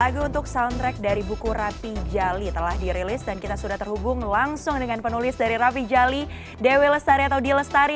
lagu untuk soundtrack dari buku rapi jali telah dirilis dan kita sudah terhubung langsung dengan penulis dari rapi jali dewi lestari atau d lestari